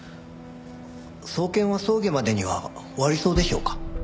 送検は葬儀までには終わりそうでしょうか？